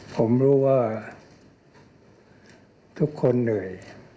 ผมรู้ว่าทุกคนเหนื่อย